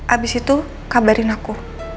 abis itu kabarin aku